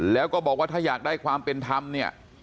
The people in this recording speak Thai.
แล้วก็บอกว่าถ้าอยากได้ความเป็นธรรมเนี่ย